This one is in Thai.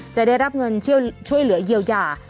จะได้รับเงินช่วยเหลือเยียวยา